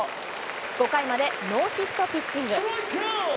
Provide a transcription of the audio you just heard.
５回までノーヒットピッチング。